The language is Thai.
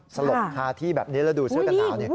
สลบคาที่แบบนี้แล้วดูเสื้อกันหนาว